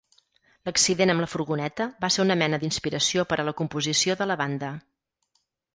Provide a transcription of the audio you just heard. L'accident amb la furgoneta va ser una mena d'inspiració per a la composició de la banda.